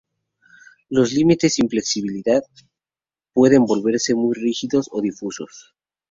Los límites sin flexibilidad pueden volverse muy rígidos o difusos.